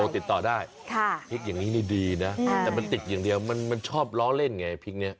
ติดต่อได้พริกอย่างนี้นี่ดีนะแต่มันติดอย่างเดียวมันชอบล้อเล่นไงพริกนี้